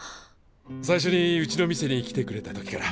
最初にうちの店に来てくれた時から。